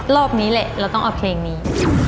รอบนี้แหละเราต้องเอาเพลงนี้